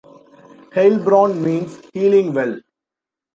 "Heilbronn" means "healing well".